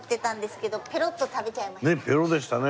ねえペロでしたね